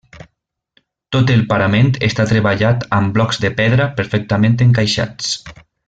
Tot el parament està treballat amb blocs de pedra perfectament encaixats.